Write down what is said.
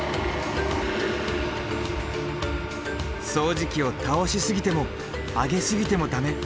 掃除機を倒しすぎても上げすぎても駄目。